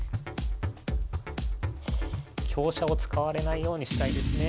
香車を使われないようにしたいですね。